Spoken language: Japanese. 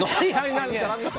何ですか？